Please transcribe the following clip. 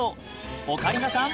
オカリナさん